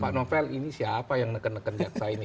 pak novel ini siapa yang neken neken jaksa ini